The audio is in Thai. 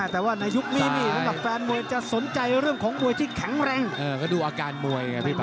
แต่ว่าในยุคนี้นี่สำหรับแฟนมวยจะสนใจเรื่องของมวยที่แข็งแรงก็ดูอาการมวยไงพี่ปั